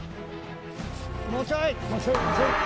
もうちょい！